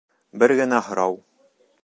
— Бер генә һорау.